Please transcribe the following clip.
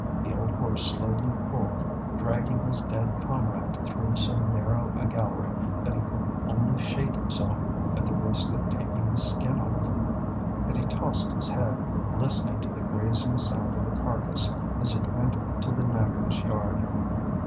The old horse slowly pulled, dragging his dead comrade through so narrow a gallery that he could only shake himself at the risk of taking the skin off. And he tossed his head, listening to the grazing sound of the carcass as it went to the knacker's yard.